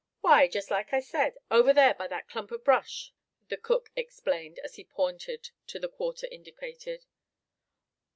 "Why, just like I said, over ther by that clump of brush," the cook explained, as he pointed in the quarter indicated.